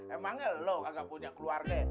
emangnya lo agak punya keluarga